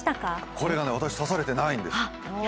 これがね、私、刺されてないんです。